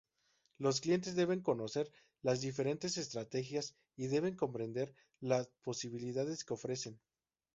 Los clientes deben conocer las diferentes estrategias y debe comprender las posibilidades que ofrecen.